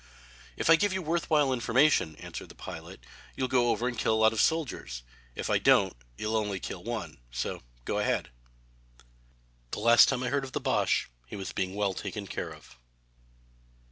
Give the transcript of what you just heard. "If I give you worth while information," answered the pilot, "you'll go over and kill a lot of soldiers, and if I don't you'll only kill one so go ahead." The last time I heard of the Boche he was being well taken care of.